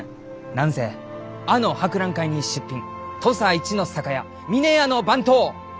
何せあの博覧会に出品土佐一の酒屋峰屋の番頭の。